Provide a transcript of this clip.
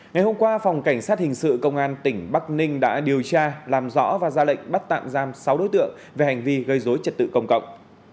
ngày hôm qua phòng cảnh sát hình sự công an tỉnh bắc ninh đã điều tra làm rõ và ra lệnh bắt tạm giam sáu đối tượng về hành vi gây dối trật tự công cộng